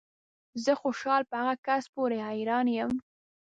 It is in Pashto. زه خوشحال په هغه کس پورې حیران یم